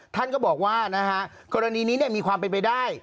ท่านก็บอกว่านะฮะกรณีนี้มีความเป็นไปได้